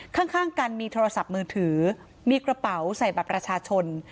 ข้างกันมีโทรศัพท์มือถือมีกระเป๋าใส่บัตรประชาชน